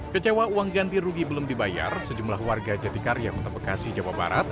kecewa uang ganti rugi belum dibayar sejumlah warga jatikarya kota bekasi jawa barat